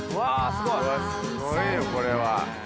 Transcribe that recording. すごいよこれは。